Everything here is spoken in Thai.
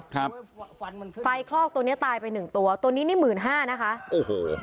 ครับฟันมันขึ้นไฟคลอกตัวเนี้ยตายไปหนึ่งตัวตัวนี้นี่หมื่นห้านะคะอื้อหือ